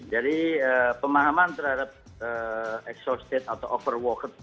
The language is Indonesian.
jadi pemahaman terhadap exhausted atau overworked